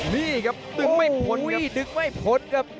นี่ครับดึงไม่พ้นครับโอ้โหดึงไม่พ้นครับ